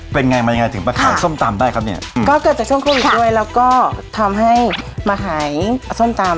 เป็นไงมายังไงถึงมาขายส้มตำได้ครับเนี่ยก็เกิดจากช่วงโควิดด้วยแล้วก็ทำให้มาขายส้มตำ